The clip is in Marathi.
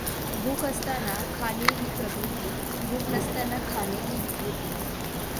भूक असताना खाणे ही प्रकृती, भूक नसताना खाणे ही विकृती.